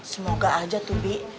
semoga aja tuh bi